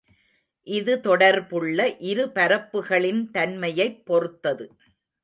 இது தொடர்புள்ள இரு பரப்புகளின் தன்மையைப் பொறுத்தது.